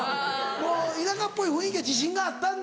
もう田舎っぽい雰囲気は自信があったんだ。